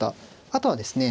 あとはですね